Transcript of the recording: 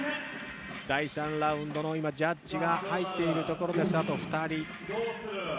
第３ラウンドのジャッジが今、入っているところです、あと２人。